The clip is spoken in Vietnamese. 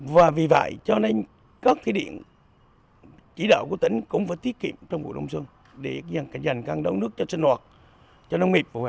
và vì vậy cho nên các thí điện chỉ đạo của tỉnh cũng phải tiết kiệm trong cuộc đồng xuân